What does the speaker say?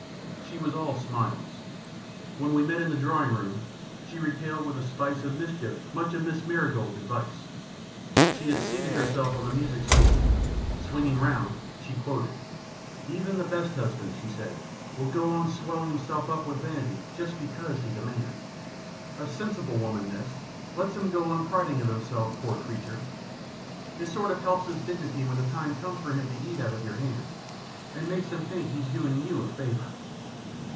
She was all smiles. When we met in the drawing room, she retailed with a spice of mischief much of Mrs. Marigold's advice. She had seated herself on the music stool. Swinging round, she quoted: "'Even the best husband,' she said, 'will go on swelling himself up with vanity just because he's a man. A sensible woman, Miss, lets him go on priding of himself, poor creature. It sort of helps his dignity when the time comes for him to eat out of your hand, and makes him think he's doing you a favour.'"